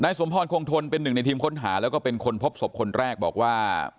สมพรคงทนเป็นหนึ่งในทีมค้นหาแล้วก็เป็นคนพบศพคนแรกบอกว่า